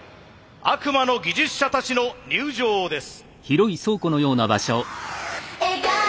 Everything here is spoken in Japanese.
悪魔の技術者たちの入場です。